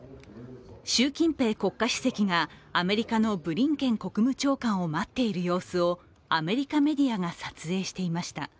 習近平国家主席がアメリカのブリンケン国務長官を待っている様子をアメリカメディアが撮影していました。